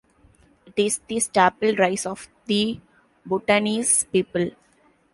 It is the staple rice of the Bhutanese people.